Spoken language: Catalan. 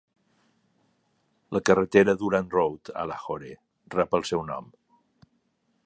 La carretera Durand Road, a Lahore, rep el seu nom.